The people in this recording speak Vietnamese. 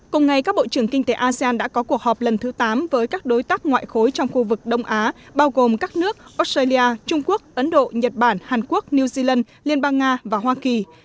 cùng ngày các bộ trưởng kinh tế asean đã có cuộc họp lần thứ tám với các đối tác ngoại khối trong khu vực đông á bao gồm các nước australia trung quốc ấn độ nhật bản hàn quốc new zealand liên bang nga và hoa kỳ